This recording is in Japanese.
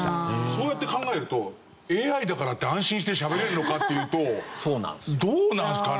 そうやって考えるとＡＩだからって安心してしゃべれるのかっていうとどうなんですかね？